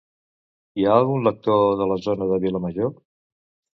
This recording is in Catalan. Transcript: Hi ha algun lector de la zona de Vilamajor?